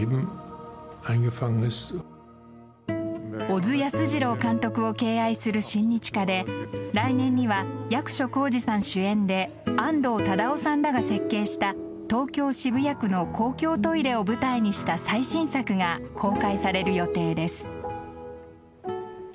小津安二郎監督を敬愛する親日家で来年には役所広司さん主演で安藤忠雄さんらが設定した東京・渋谷区の公共トイレを舞台にした最新作が公開される予定です。